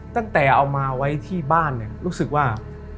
ตั้งแต่เอามาไว้ที่บ้านเนี่ยรู้สึกว่า